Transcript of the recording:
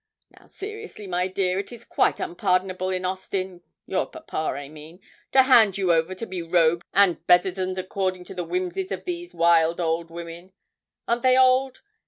Now, seriously, my dear, it is quite unpardonable in Austin your papa, I mean to hand you over to be robed and bedizened according to the whimsies of these wild old women aren't they old?